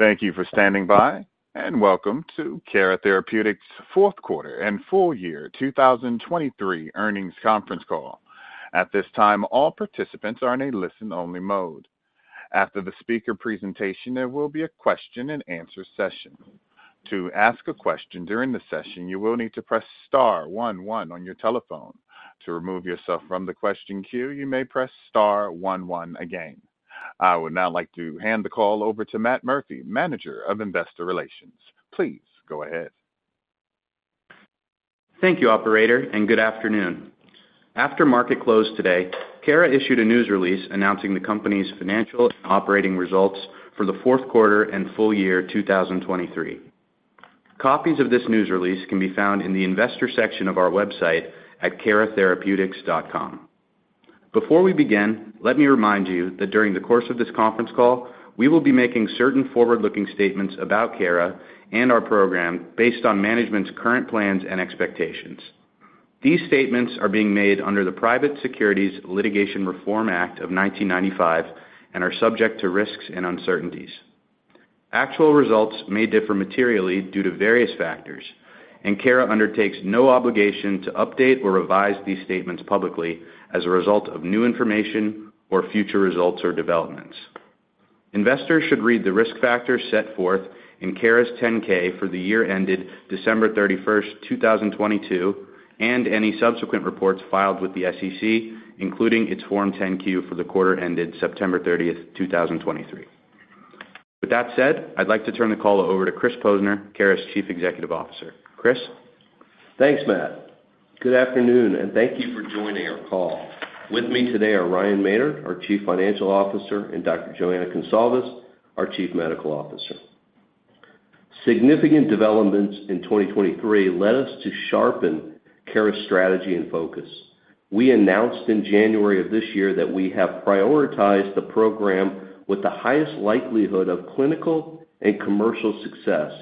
Thank you for standing by, and welcome to Cara Therapeutics' fourth quarter and full-year 2023 earnings conference call. At this time, all participants are in a listen-only mode. After the speaker presentation, there will be a question-and-answer session. To ask a question during the session, you will need to press star one one on your telephone. To remove yourself from the question queue, you may press star one one again. I would now like to hand the call over to Matt Murphy, Manager of Investor Relations. Please go ahead. Thank you, Operator, and good afternoon. After market close today, Cara issued a news release announcing the company's financial and operating results for the fourth quarter and full-year 2023. Copies of this news release can be found in the investor section of our website at caratherapeutics.com. Before we begin, let me remind you that during the course of this conference call, we will be making certain forward-looking statements about Cara and our program based on management's current plans and expectations. These statements are being made under the Private Securities Litigation Reform Act of 1995 and are subject to risks and uncertainties. Actual results may differ materially due to various factors, and Cara undertakes no obligation to update or revise these statements publicly as a result of new information or future results or developments. Investors should read the risk factors set forth in Cara's 10-K for the year ended December 31st, 2022, and any subsequent reports filed with the SEC, including its Form 10-Q for the quarter ended September 30th, 2023. With that said, I'd like to turn the call over to Chris Posner, Cara's Chief Executive Officer. Chris? Thanks, Matt. Good afternoon, and thank you for joining our call. With me today are Ryan Maynard, our Chief Financial Officer, and Dr. Joana Goncalves, our Chief Medical Officer. Significant developments in 2023 led us to sharpen Cara's strategy and focus. We announced in January of this year that we have prioritized the program with the highest likelihood of clinical and commercial success,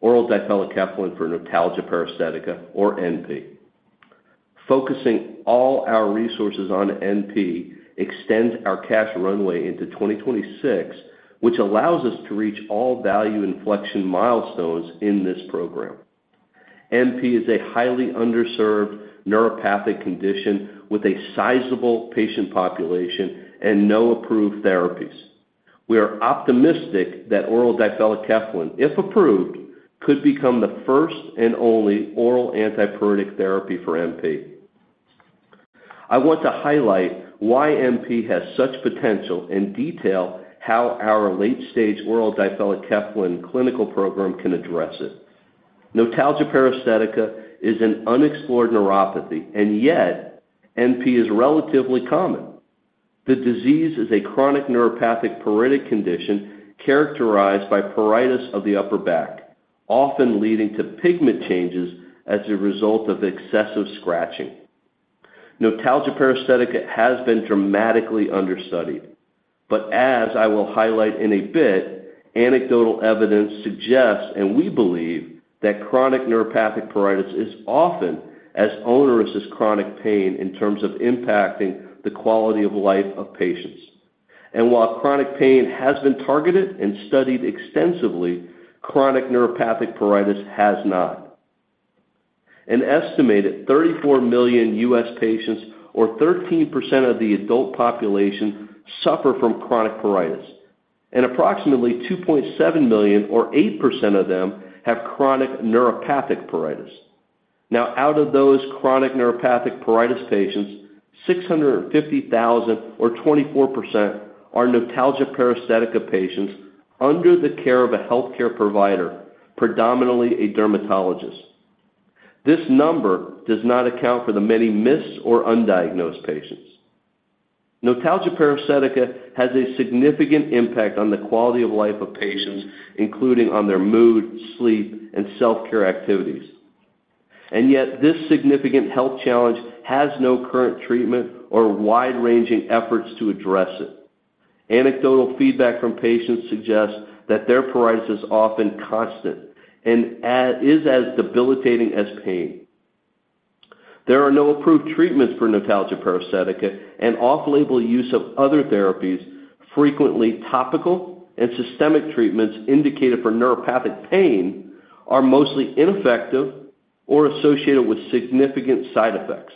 oral difelikefalin for notalgia paresthetica, or NP. Focusing all our resources on NP extends our cash runway into 2026, which allows us to reach all value inflection milestones in this program. NP is a highly underserved neuropathic condition with a sizable patient population and no approved therapies. We are optimistic that oral difelikefalin, if approved, could become the first and only oral antipruritic therapy for NP. I want to highlight why NP has such potential and detail how our late-stage oral difelikefalin clinical program can address it. Notalgia paresthetica is an unexplored neuropathy, and yet NP is relatively common. The disease is a chronic neuropathic pruritic condition characterized by pruritus of the upper back, often leading to pigment changes as a result of excessive scratching. Notalgia paresthetica has been dramatically understudied, but as I will highlight in a bit, anecdotal evidence suggests, and we believe, that chronic neuropathic pruritus is often as onerous as chronic pain in terms of impacting the quality of life of patients. And while chronic pain has been targeted and studied extensively, chronic neuropathic pruritus has not. An estimated 34 million U.S. patients, or 13% of the adult population, suffer from chronic pruritus, and approximately 2.7 million, or 8% of them, have chronic neuropathic pruritus. Now, out of those chronic neuropathic pruritus patients, 650,000, or 24%, are notalgia paresthetica patients under the care of a healthcare provider, predominantly a dermatologist. This number does not account for the many missed or undiagnosed patients. Notalgia paresthetica has a significant impact on the quality of life of patients, including on their mood, sleep, and self-care activities. And yet this significant health challenge has no current treatment or wide-ranging efforts to address it. Anecdotal feedback from patients suggests that their pruritus is often constant and is as debilitating as pain. There are no approved treatments for notalgia paresthetica, and off-label use of other therapies, frequently topical and systemic treatments indicated for neuropathic pain, are mostly ineffective or associated with significant side effects.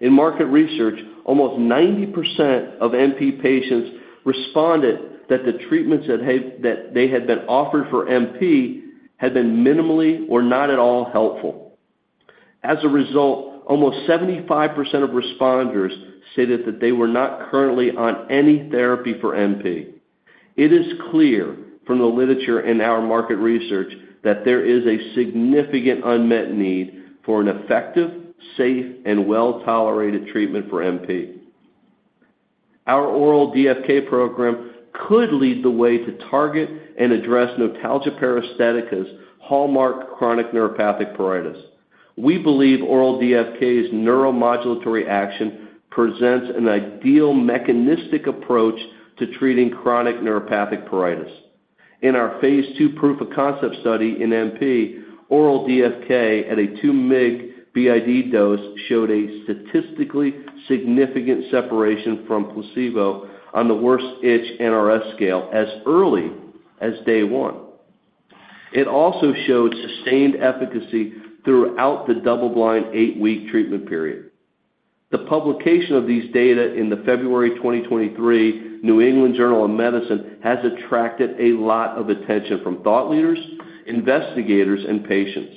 In market research, almost 90% of NP patients responded that the treatments that they had been offered for NP had been minimally or not at all helpful. As a result, almost 75% of responders stated that they were not currently on any therapy for NP. It is clear from the literature in our market research that there is a significant unmet need for an effective, safe, and well-tolerated treatment for NP. Our oral DFK program could lead the way to target and address notalgia paresthetica's hallmark chronic neuropathic pruritus. We believe oral DFK's neuromodulatory action presents an ideal mechanistic approach to treating chronic neuropathic pruritus. In our phase II proof of concept study in NP, oral DFK at a 2 mg b.i.d. dose showed a statistically significant separation from placebo on the worst itch NRS scale as early as day one. It also showed sustained efficacy throughout the double-blind eight-week treatment period. The publication of these data in the February 2023 New England Journal of Medicine has attracted a lot of attention from thought leaders, investigators, and patients.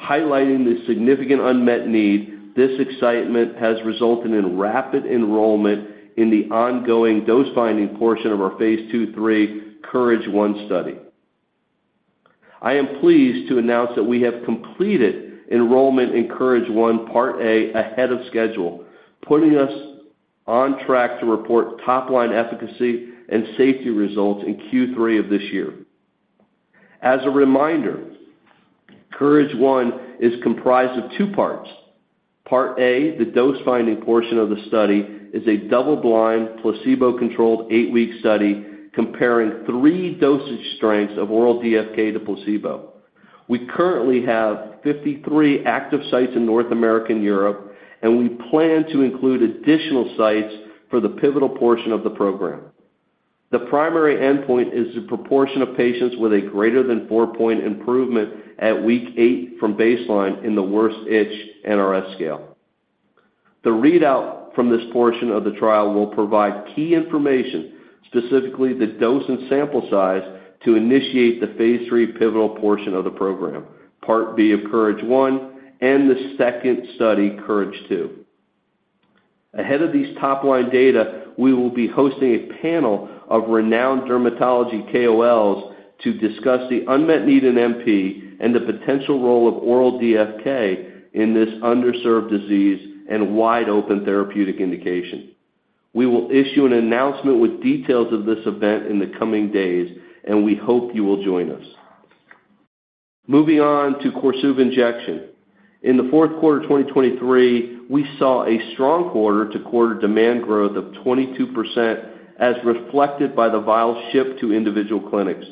Highlighting the significant unmet need, this excitement has resulted in rapid enrollment in the ongoing dose-finding portion of our phase II/III KOURAGE 1 study. I am pleased to announce that we have completed enrollment in KOURAGE 1, Part A, ahead of schedule, putting us on track to report top-line efficacy and safety results in Q3 of this year. As a reminder, KOURAGE 1 is comprised of two parts. Part A, the dose-finding portion of the study, is a double-blind, placebo-controlled eight-week study comparing three dosage strengths of oral DFK to placebo. We currently have 53 active sites in North America and Europe, and we plan to include additional sites for the pivotal portion of the program. The primary endpoint is the proportion of patients with a greater than four-point improvement at week eight from baseline in the worst itch NRS scale. The readout from this portion of the trial will provide key information, specifically the dose and sample size, to initiate the phase III pivotal portion of the program, Part B of KOURAGE 1 and the second study, KOURAGE 2. Ahead of these top-line data, we will be hosting a panel of renowned dermatology KOLs to discuss the unmet need in NP and the potential role of oral DFK in this underserved disease and wide-open therapeutic indication. We will issue an announcement with details of this event in the coming days, and we hope you will join us. Moving on to KORSUVA injection. In the fourth quarter 2023, we saw a strong quarter-to-quarter demand growth of 22% as reflected by the vials shipped to individual clinics.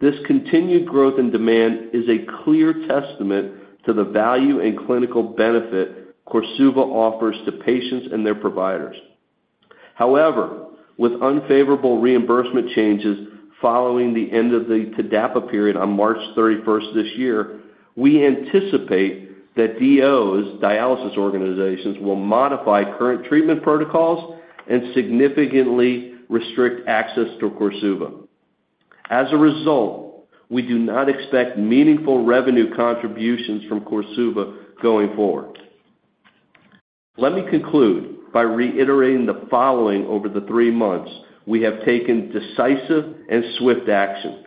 This continued growth in demand is a clear testament to the value and clinical benefit KORSUVA offers to patients and their providers. However, with unfavorable reimbursement changes following the end of the TDAPA period on March 31st this year, we anticipate that DOs, dialysis organizations, will modify current treatment protocols and significantly restrict access to KORSUVA. As a result, we do not expect meaningful revenue contributions from KORSUVA going forward. Let me conclude by reiterating the following over the three months: we have taken decisive and swift action.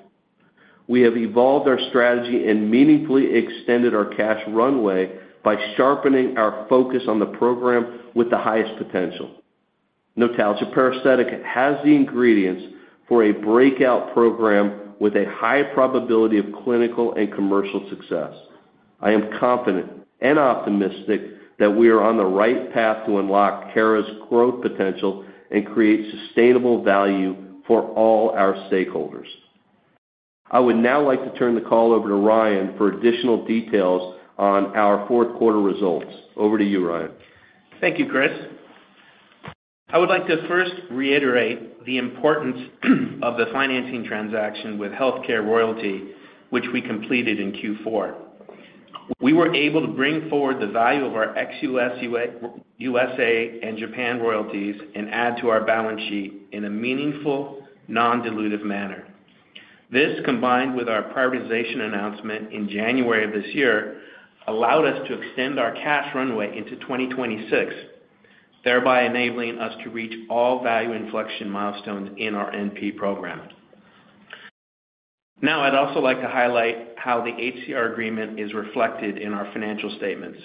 We have evolved our strategy and meaningfully extended our cash runway by sharpening our focus on the program with the highest potential. Notalgia paresthetica has the ingredients for a breakout program with a high probability of clinical and commercial success. I am confident and optimistic that we are on the right path to unlock Cara's growth potential and create sustainable value for all our stakeholders. I would now like to turn the call over to Ryan for additional details on our fourth quarter results. Over to you, Ryan. Thank you, Chris. I would like to first reiterate the importance of the financing transaction with HealthCare Royalty, which we completed in Q4. We were able to bring forward the value of our ex-USA and Japan royalties and add to our balance sheet in a meaningful, non-dilutive manner. This, combined with our prioritization announcement in January of this year, allowed us to extend our cash runway into 2026, thereby enabling us to reach all value inflection milestones in our NP program. Now, I'd also like to highlight how the HCR agreement is reflected in our financial statements.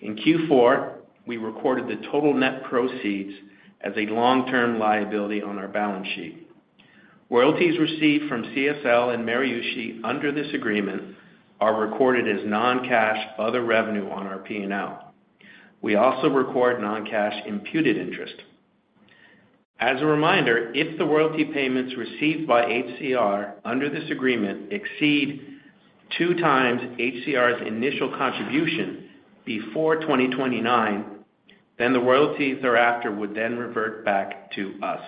In Q4, we recorded the total net proceeds as a long-term liability on our balance sheet. Royalties received from CSL and Maruishi under this agreement are recorded as non-cash other revenue on our P&L. We also record non-cash imputed interest. As a reminder, if the royalty payments received by HCR under this agreement exceed two times HCR's initial contribution before 2029, then the royalties thereafter would then revert back to us.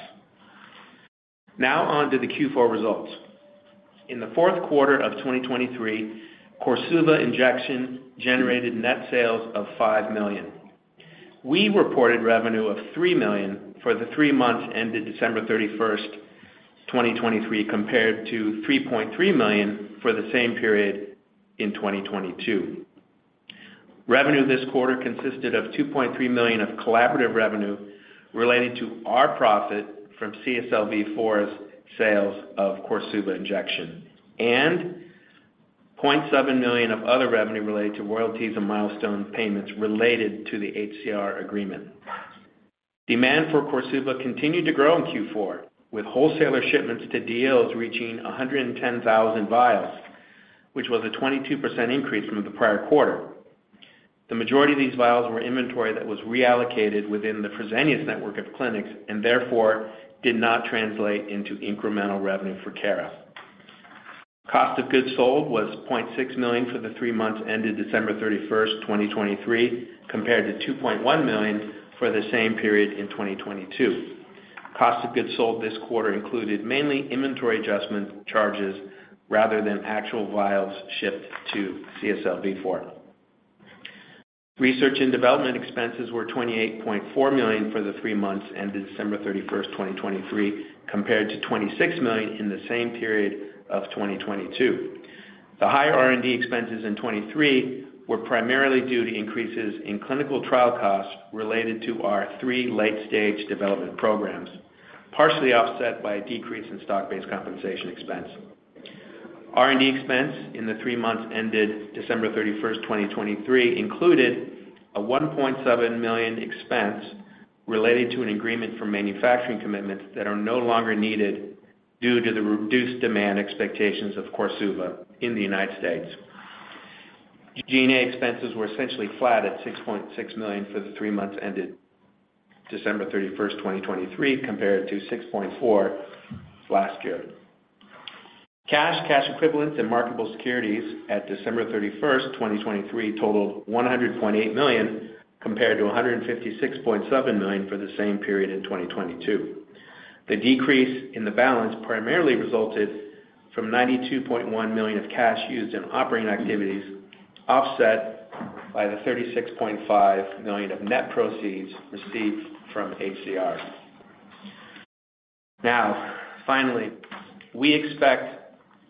Now onto the Q4 results. In the fourth quarter of 2023, KORSUVA injection generated net sales of $5 million. We reported revenue of $3 million for the three months ended December 31st, 2023, compared to $3.3 million for the same period in 2022. Revenue this quarter consisted of $2.3 million of collaborative revenue related to our profit from CSL Vifor's sales of KORSUVA injection and $0.7 million of other revenue related to royalties and milestone payments related to the HCR agreement. Demand for KORSUVA continued to grow in Q4, with wholesaler shipments to DOs reaching 110,000 vials, which was a 22% increase from the prior quarter. The majority of these vials were inventory that was reallocated within the Fresenius network of clinics and therefore did not translate into incremental revenue for Cara. Cost of goods sold was $0.6 million for the three months ended December 31st, 2023, compared to $2.1 million for the same period in 2022. Cost of goods sold this quarter included mainly inventory adjustment charges rather than actual vials shipped to CSL Vifor. Research and development expenses were $28.4 million for the three months ended December 31st, 2023, compared to $26 million in the same period of 2022. The high R&D expenses in 2023 were primarily due to increases in clinical trial costs related to our three late-stage development programs, partially offset by a decrease in stock-based compensation expense. R&D expense in the three months ended December 31st, 2023, included a $1.7 million expense related to an agreement for manufacturing commitments that are no longer needed due to the reduced demand expectations of KORSUVA in the United States. G&A expenses were essentially flat at $6.6 million for the three months ended December 31st, 2023, compared to $6.4 million last year. Cash, cash equivalents, and marketable securities at December 31st, 2023, totaled $100.8 million compared to $156.7 million for the same period in 2022. The decrease in the balance primarily resulted from $92.1 million of cash used in operating activities offset by the $36.5 million of net proceeds received from HCR. Now, finally, we expect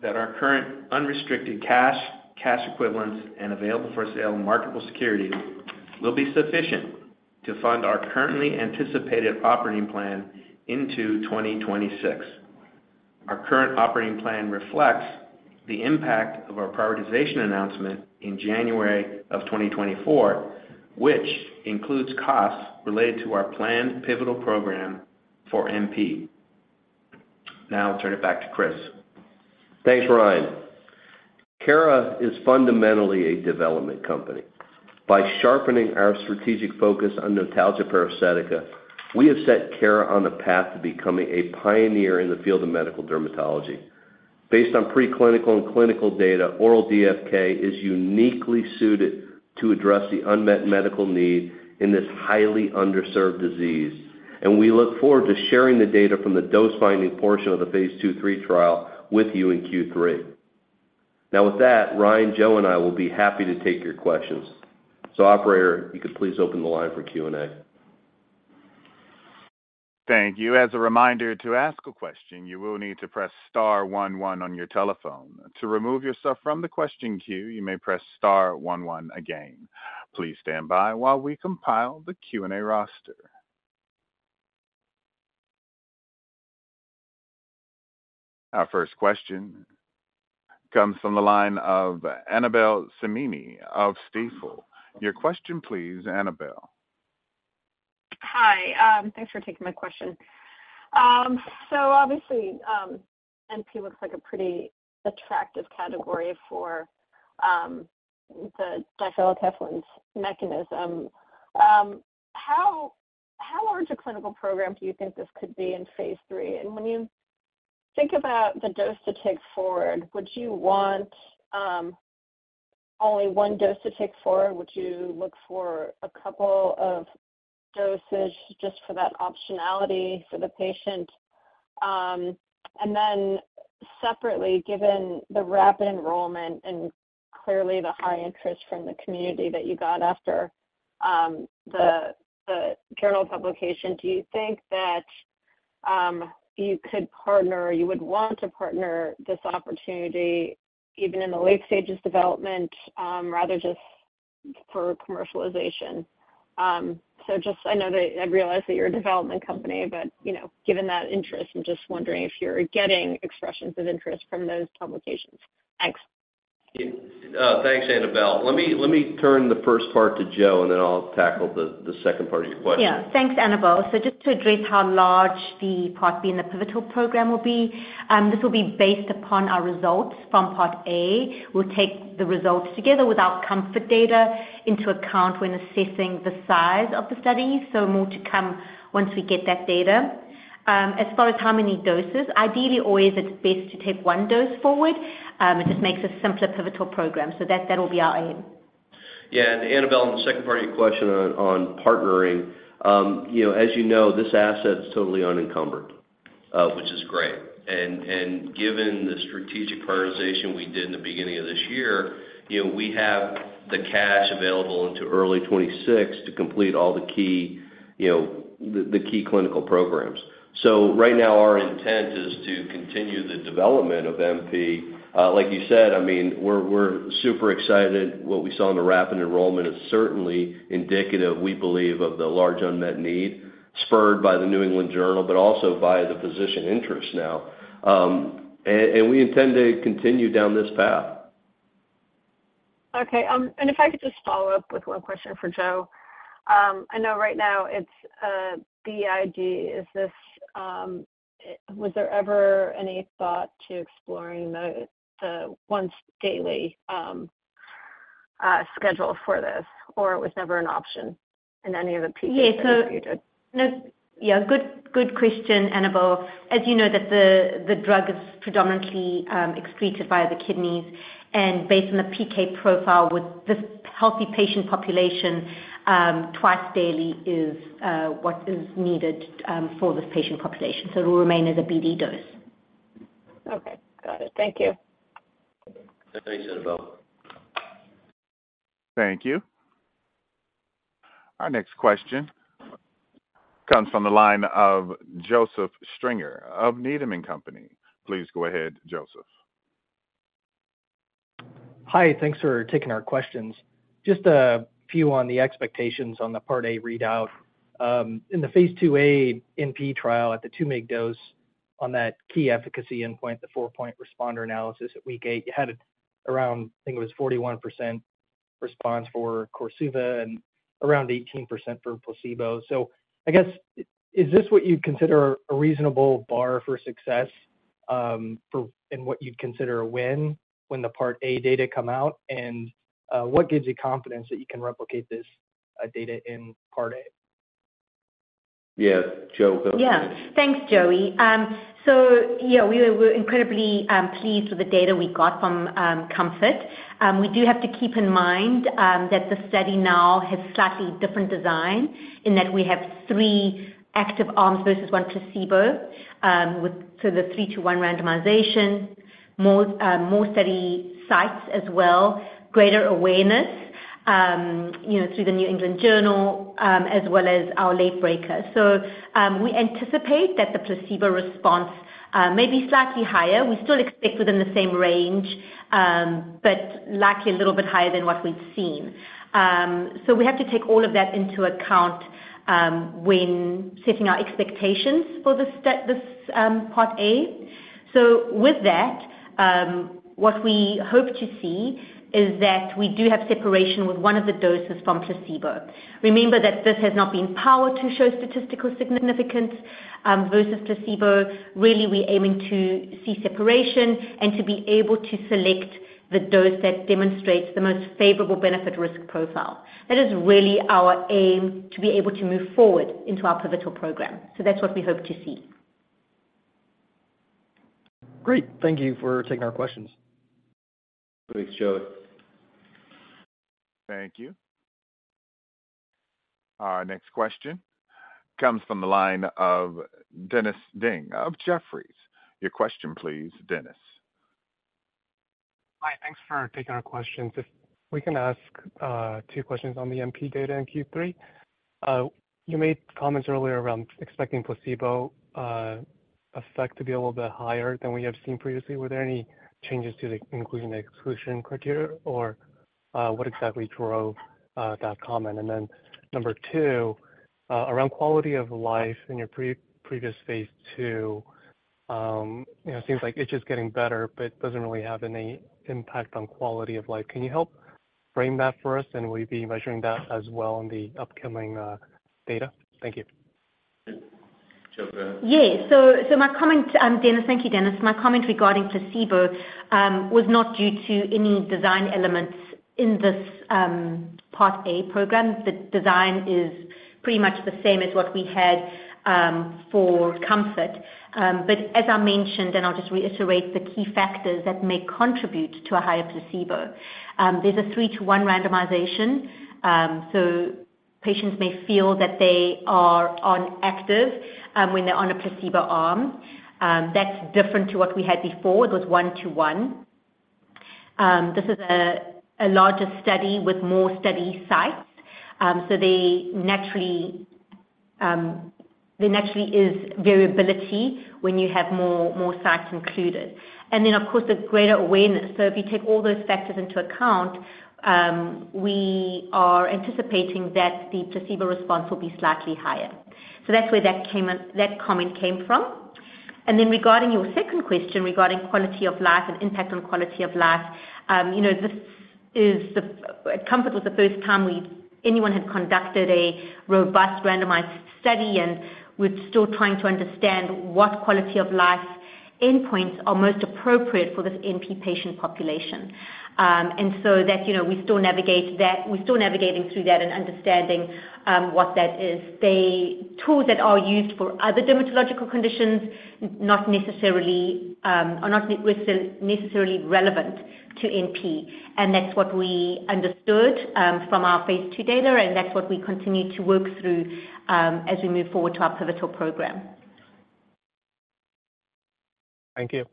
that our current unrestricted cash, cash equivalents, and available-for-sale marketable securities will be sufficient to fund our currently anticipated operating plan into 2026. Our current operating plan reflects the impact of our prioritization announcement in January of 2024, which includes costs related to our planned pivotal program for NP. Now, I'll turn it back to Chris. Thanks, Ryan. Cara is fundamentally a development company. By sharpening our strategic focus on notalgia paresthetica, we have set Cara on the path to becoming a pioneer in the field of medical dermatology. Based on preclinical and clinical data, oral DFK is uniquely suited to address the unmet medical need in this highly underserved disease, and we look forward to sharing the data from the dose-finding portion of the phase II/III trial with you in Q3. Now, with that, Ryan, Joe, and I will be happy to take your questions. So, operator, you could please open the line for Q&A. Thank you. As a reminder, to ask a question, you will need to press star one one on your telephone. To remove yourself from the question queue, you may press star one one again. Please stand by while we compile the Q&A roster. Our first question comes from the line of Annabel Samimy of Stifel. Your question, please, Annabel. Hi. Thanks for taking my question. So, obviously, NP looks like a pretty attractive category for the difelikefalin's mechanism. How large a clinical program do you think this could be in phase III? And when you think about the dose to take forward, would you want only one dose to take forward? Would you look for a couple of dosages just for that optionality for the patient? And then separately, given the rapid enrollment and clearly the high interest from the community that you got after the journal publication, do you think that you could partner or you would want to partner this opportunity even in the late stages of development rather just for commercialization? So I know that I realize that you're a development company, but given that interest, I'm just wondering if you're getting expressions of interest from those publications. Thanks. Thanks, Annabel. Let me turn the first part to Joe, and then I'll tackle the second part of your question. Yeah. Thanks, Annabel. So just to address how large the Part B and the pivotal program will be, this will be based upon our results from Part A. We'll take the results together with our COMFORT data into account when assessing the size of the studies, so more to come once we get that data. As far as how many doses, ideally, always it's best to take one dose forward. It just makes a simpler pivotal program, so that will be our aim. Yeah. And Annabel, in the second part of your question on partnering, as you know, this asset is totally unencumbered, which is great. And given the strategic prioritization we did in the beginning of this year, we have the cash available into early 2026 to complete all the key clinical programs. So right now, our intent is to continue the development of NP. Like you said, I mean, we're super excited. What we saw in the rapid enrollment is certainly indicative, we believe, of the large unmet need spurred by the New England Journal but also by the physician interest now. And we intend to continue down this path. Okay. If I could just follow up with one question for Joe. I know right now it's BIG. Was there ever any thought to exploring the once-daily schedule for this, or it was never an option in any of the PK studies that you did? Yeah. Good question, Annabel. As you know, the drug is predominantly excreted via the kidneys. Based on the PK profile, this healthy patient population twice daily is what is needed for this patient population. It will remain as a b.i.d. dose. Okay. Got it. Thank you. Thanks, Annabelle. Thank you. Our next question comes from the line of Joseph Stringer of Needham & Company. Please go ahead, Joseph. Hi. Thanks for taking our questions. Just a few on the expectations on the Part A readout. In the Phase II-A NP trial at the 2-mg dose, on that key efficacy endpoint, the 4-point responder analysis at week 8, you had around, I think it was 41% response for KORSUVA and around 18% for placebo. So I guess, is this what you'd consider a reasonable bar for success and what you'd consider a win when the Part A data come out? And what gives you confidence that you can replicate this data in Part A? Yeah. Joe, go ahead. Yeah. Thanks, Joey. So yeah, we were incredibly pleased with the data we got from COMFORT. We do have to keep in mind that the study now has slightly different design in that we have three active arms versus one placebo, so the 3-to-1 randomization, more study sites as well, greater awareness through the New England Journal as well as our late breakers. So we anticipate that the placebo response may be slightly higher. We still expect within the same range but likely a little bit higher than what we've seen. So we have to take all of that into account when setting our expectations for this Part A. So with that, what we hope to see is that we do have separation with one of the doses from placebo. Remember that this has not been powered to show statistical significance versus placebo. Really, we're aiming to see separation and to be able to select the dose that demonstrates the most favorable benefit-risk profile. That is really our aim to be able to move forward into our pivotal program. So that's what we hope to see. Great. Thank you for taking our questions. Thanks, Joey. Thank you. Our next question comes from the line of Dennis Ding of Jefferies. Your question, please, Dennis. Hi. Thanks for taking our questions. If we can ask 2 questions on the NP data in Q3. You made comments earlier around expecting placebo effect to be a little bit higher than we have seen previously. Were there any changes to the inclusion/exclusion criteria, or what exactly drove that comment? And then number 2, around quality of life in your previous phase II, it seems like it's just getting better but doesn't really have any impact on quality of life. Can you help frame that for us, and will you be measuring that as well in the upcoming data? Thank you. Joana, go ahead. Yeah. So my comment, Dennis, thank you, Dennis. My comment regarding placebo was not due to any design elements in this Part A program. The design is pretty much the same as what we had for Comfort. But as I mentioned, and I'll just reiterate the key factors that may contribute to a higher placebo, there's a 3-to-1 randomization. So patients may feel that they are unactive when they're on a placebo arm. That's different to what we had before. It was 1-to-1. This is a larger study with more study sites, so there naturally is variability when you have more sites included. And then, of course, the greater awareness. So if you take all those factors into account, we are anticipating that the placebo response will be slightly higher. So that's where that comment came from. Regarding your second question regarding quality of life and impact on quality of life, this is the COMFORT, it was the first time anyone had conducted a robust randomized study, and we're still trying to understand what quality of life endpoints are most appropriate for this NP patient population. We're still navigating through that and understanding what that is. The tools that are used for other dermatological conditions are not necessarily relevant to NP, and that's what we understood from our phase II data, and that's what we continue to work through as we move forward to our pivotal program. Thank you.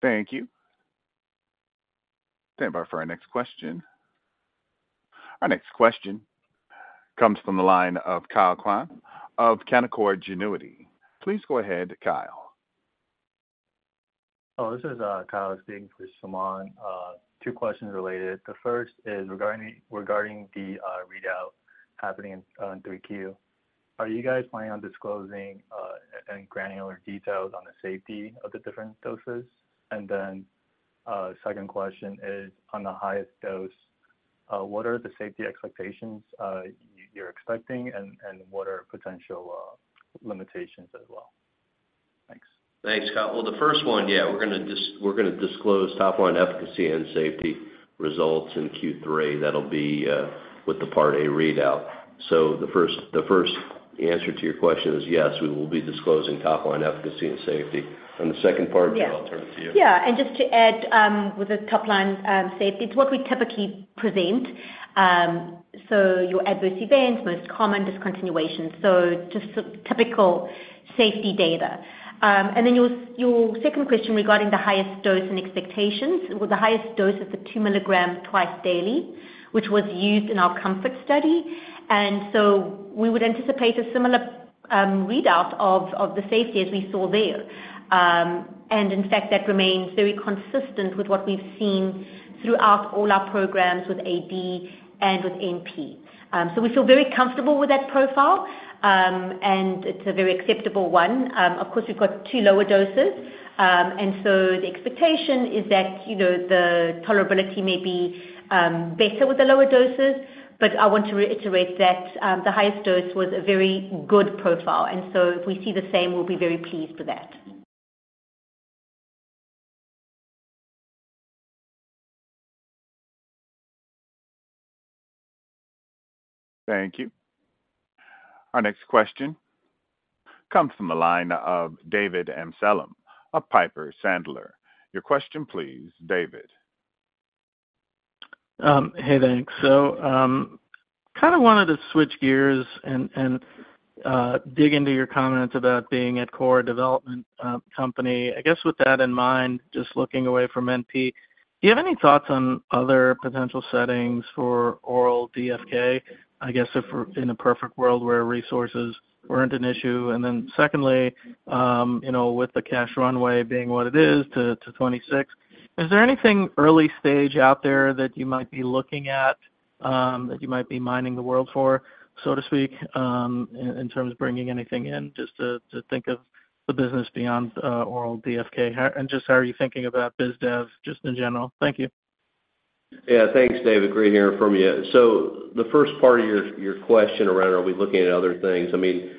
Thank you. Stand by for our next question. Our next question comes from the line of Kyle Kwan of Canaccord Genuity. Please go ahead, Kyle. Oh, this is Kyle Kwan. Two questions related. The first is regarding the readout happening in 3Q. Are you guys planning on disclosing any granular details on the safety of the different doses? And then second question is, on the highest dose, what are the safety expectations you're expecting, and what are potential limitations as well? Thanks. Thanks, Kyle. Well, the first one, yeah, we're going to disclose top-line efficacy and safety results in Q3. That'll be with the Part A readout. So the first answer to your question is yes, we will be disclosing top-line efficacy and safety. On the second part, Joe, I'll turn it to you. Yeah. And just to add with the top-line safety, it's what we typically present. So your adverse events, most common discontinuations, so just typical safety data. And then your second question regarding the highest dose and expectations. Well, the highest dose is the 2 mg twice daily, which was used in our COMFORT study. And so we would anticipate a similar readout of the safety as we saw there. And in fact, that remains very consistent with what we've seen throughout all our programs with AD and with NP. So we feel very comfortable with that profile, and it's a very acceptable one. Of course, we've got two lower doses, and so the expectation is that the tolerability may be better with the lower doses. I want to reiterate that the highest dose was a very good profile, and so if we see the same, we'll be very pleased with that. Thank you. Our next question comes from the line of David Amsellem of Piper Sandler. Your question, please, David. Hey, thanks. So kind of wanted to switch gears and dig into your comments about being at core development company. I guess with that in mind, just looking away from NP, do you have any thoughts on other potential settings for oral DFK, I guess, in a perfect world where resources weren't an issue? And then secondly, with the cash runway being what it is to 2026, is there anything early-stage out there that you might be looking at, that you might be mining the world for, so to speak, in terms of bringing anything in? Just to think of the business beyond oral DFK, and just how are you thinking about BizDev just in general? Thank you. Yeah. Thanks, David. Great hearing from you. So the first part of your question around, are we looking at other things? I mean,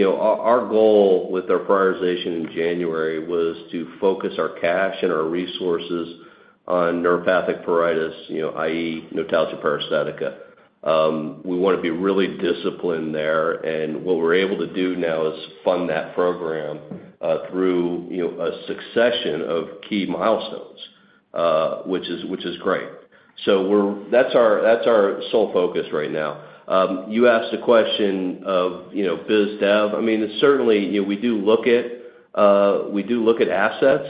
our goal with our prioritization in January was to focus our cash and our resources on neuropathic pruritus, i.e., notalgia paresthetica. We want to be really disciplined there, and what we're able to do now is fund that program through a succession of key milestones, which is great. So that's our sole focus right now. You asked a question of BizDev. I mean, certainly, we do look at we do look at assets,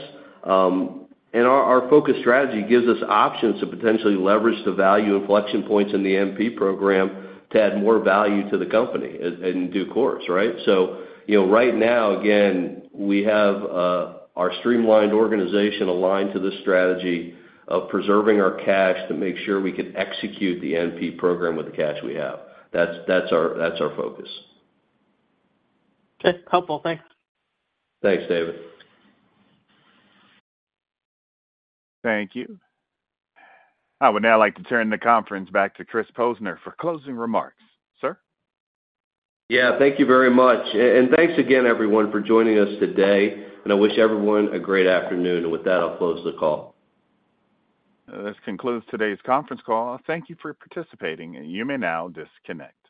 and our focus strategy gives us options to potentially leverage the value inflection points in the NP program to add more value to the company in due course, right? So right now, again, we have our streamlined organization aligned to this strategy of preserving our cash to make sure we can execute the NP program with the cash we have. That's our focus. Okay. Helpful. Thanks. Thanks, David. Thank you. I would now like to turn the conference back to Chris Posner for closing remarks. Sir? Yeah. Thank you very much. Thanks again, everyone, for joining us today, and I wish everyone a great afternoon. With that, I'll close the call. This concludes today's conference call. Thank you for participating, and you may now disconnect.